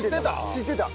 知ってた。